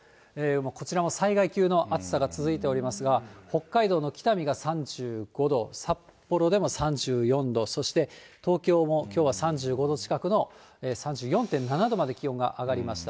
こちらも災害級の暑さが続いておりますが、北海道の北見が３５度、札幌でも３４度、そして東京もきょうは３５度近くの、３４．７度まで気温が上がりました。